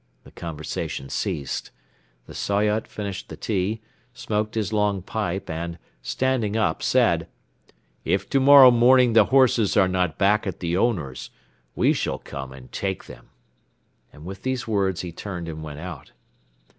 The conversation ceased. The Soyot finished the tea, smoked his long pipe and, standing up, said: "If tomorrow morning the horses are not back at the owner's, we shall come and take them." And with these words he turned and went out.